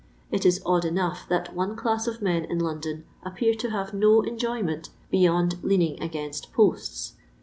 It is odd enough that one class of men in London appear to have no enjoyment beyond leaning against posts.